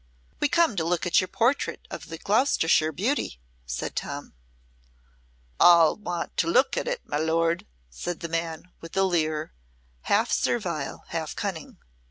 "We come to look at your portrait of the Gloucestershire beauty," said Tom. "All want to look at it, my Lord," said the man, with a leer, half servile, half cunning.